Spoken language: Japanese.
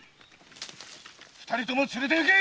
二人とも連れて行け！